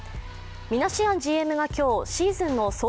ミナシアンＧＭが今日シーズンの総括